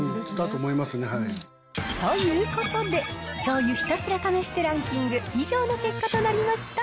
ということで、醤油ひたすら試してランキング、以上の結果となりました。